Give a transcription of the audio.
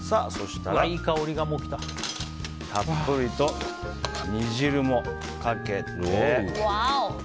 たっぷりと煮汁もかけて。